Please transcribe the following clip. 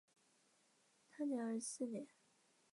大定二十四年。